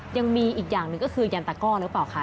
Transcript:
ยังมีอีกอย่างหนึ่งก็คือยันตะก้อหรือเปล่าคะ